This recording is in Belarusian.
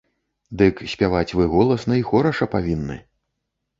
Дык спяваць вы голасна й хораша павінны.